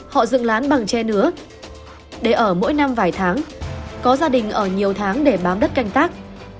họ dựng lán bằng tre nứa để ở mỗi năm vài tháng có gia đình ở nhiều tháng để bám đất canh tác